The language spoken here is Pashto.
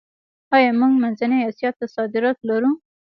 آیا موږ منځنۍ اسیا ته صادرات لرو؟